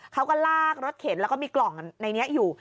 เขาก็ลากรถเข็นแล้วก็มีกล่องในนี้อยู่